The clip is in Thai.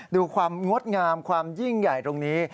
ดูความงดงามความยิ่งใหญ่ตรงนี้